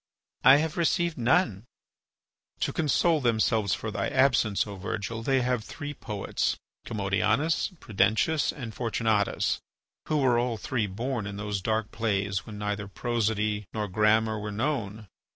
"I have received none." "To console themselves for thy absence, O Virgil, they have three poets, Commodianus, Prudentius, and Fortunatus, who were all three born in those dark plays when neither prosody nor grammar were known.